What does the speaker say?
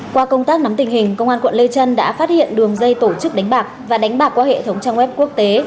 qua công tác nắm tình hình công an quận lê trân đã phát hiện đường dây tổ chức đánh bạc và đánh bạc qua hệ thống trang web quốc tế